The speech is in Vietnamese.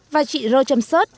và chị ro trâm sớt